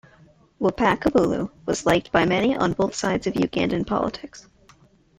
Wapakhabulo was liked by many on both sides of Ugandan politics.